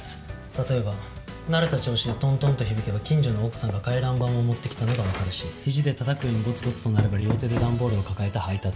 例えば慣れた調子でトントンと響けば近所の奥さんが回覧板を持ってきたのがわかるし肘で叩くようにゴツゴツと鳴れば両手で段ボールを抱えた配達員。